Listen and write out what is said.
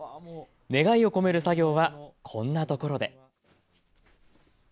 願いを込める作業はこんなところで。